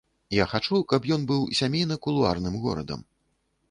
Я хачу, каб ён быў сямейна-кулуарным горадам.